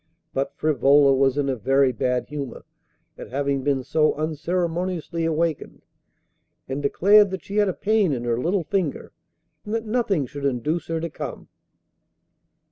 But Frivola was in a very bad humour at having been so unceremoniously awakened, and declared that she had a pain in her little finger, and that nothing should induce her to come.